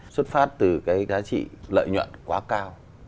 xuất phát từ cái giá trị lợi nhuận quá cao